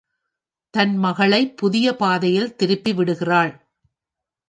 தன் மகளைப் புதிய பாதையில் திருப்பிவிடுகிறாள்.